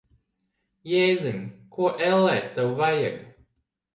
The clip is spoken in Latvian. Jēziņ! Ko, ellē, tev vajag?